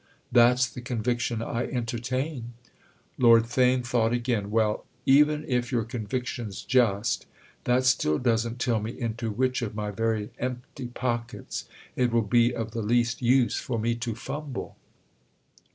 "That's the conviction I entertain." Lord Theign thought again. "Well, even if your conviction's just, that still doesn't tell me into which of my very empty pockets it will be of the least use for me to fumble."